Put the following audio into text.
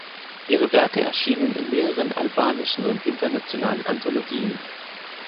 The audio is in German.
Ihre Werke erschienen in mehreren albanischen und internationalen Anthologien.